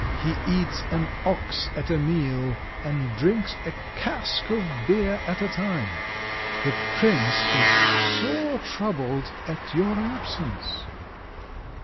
He eats an ox at a meal, and drinks a cask of beer at a time. The Prince is sore troubled at your absence."